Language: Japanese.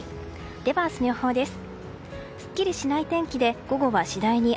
では、明日の予報です。